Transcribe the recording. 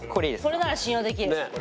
これなら信用できる。